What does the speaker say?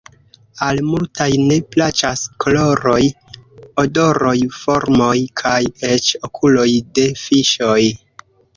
Al multaj ne plaĉas koloroj, odoroj, formoj kaj eĉ okuloj de fiŝoj.